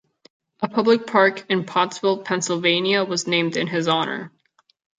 A public park in Pottsville, Pennsylvania was named in his honor.